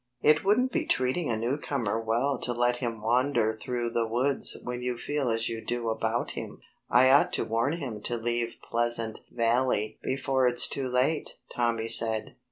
"It wouldn't be treating a newcomer well to let him wander through the woods when you feel as you do about him. I ought to warn him to leave Pleasant Valley before it's too late," Tommy said.